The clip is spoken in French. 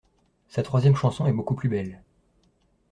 Sa troisième chanson est beaucoup plus belle.